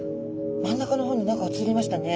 真ん中の方に何か映りましたね。